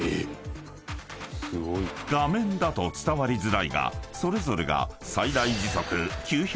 ［画面だと伝わりづらいがそれぞれが］